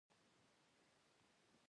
دا خدمتګر د وخت پابند دی.